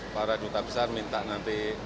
para duta besar minta nanti